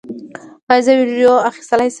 ایا زه ویډیو اخیستلی شم؟